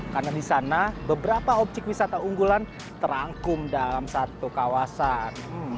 karena di sana beberapa objek wisata unggulan terangkum dalam satu kawasan